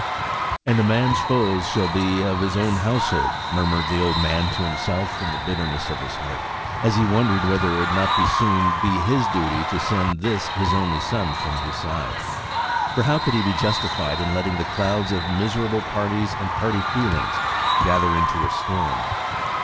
"And a man's foes shall be they of his own household," murmured the old man to himself in the bitterness of his heart, as he wondered whether it would not soon be his duty to send this his only son from his side. For how could he be justified in letting the clouds of miserable parties and party feelings gather into a storm?